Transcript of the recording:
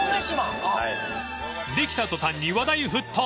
［できた途端に話題沸騰］